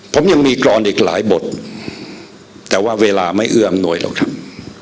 ผมยังมีกรอนอีกหลายบทแต่ว่าเวลาไม่เอื้ออำนวยหรอกครับ